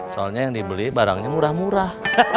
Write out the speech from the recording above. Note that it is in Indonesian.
soalnya yang dibeli barangnya murah murah